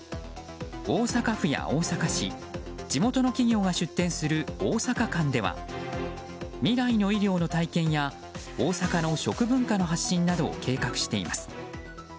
大阪府や大阪市地元の企業が出展する大阪館では未来の医療の体験や大阪の食文化の発信などを計画しています。